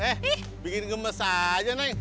eh bikin gemes aja naik